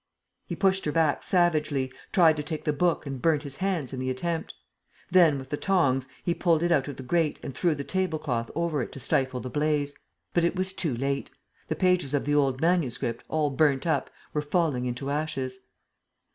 He pushed her back savagely, tried to take the book and burnt his hands in the attempt. Then, with the tongs, he pulled it out of the grate and threw the table cloth over it to stifle the blaze. But it was too late. The pages of the old manuscript, all burnt up, were falling into ashes.